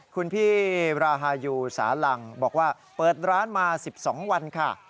คุณพี่ราฮายูสาลังบอกว่าเปิดร้านมา๑๒วันค่ะ